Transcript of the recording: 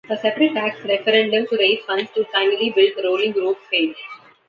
A separate tax referendum to raise funds to finally build the rolling roof failed.